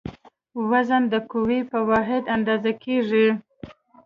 وزن د قوې په واحد اندازه کېږي.